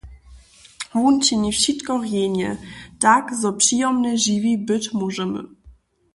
Wón čini wšitko rjenje, tak zo přijomnje žiwi być móžemy.